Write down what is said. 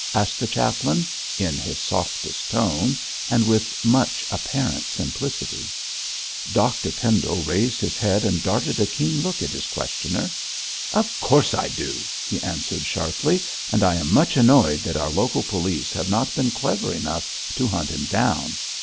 asked the chaplain, in his softest tone, and with much apparent simplicity. Dr Pendle raised his head and darted a keen look at his questioner. 'Of course I do,' he answered sharply, 'and I am much annoyed that our local police have not been clever enough to hunt him down.